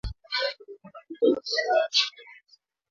Mwalimu anapika mtoto juya kukosa jibu